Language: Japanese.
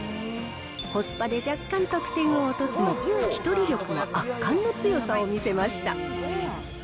コスパで若干得点を落とすも、拭き取り力が圧巻の強さを見せました。